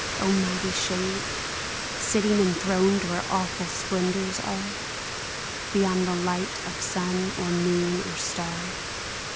O mighty shade, Sitting enthroned where awful splendors are, Beyond the light of sun, or moon, or star.